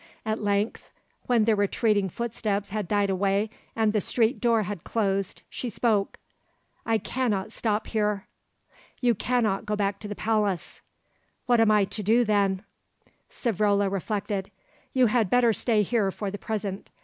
At length, when the retreating footsteps had died away and the street door had closed, she spoke. "I cannot stop here." "You cannot go back to the palace." "What am I to do, then?" Savrola reflected. "You had better stay here for the present.